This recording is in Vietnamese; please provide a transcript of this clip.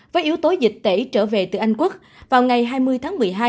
với yếu tố dịch tễ trở về từ anh quốc vào ngày hai mươi tháng một mươi hai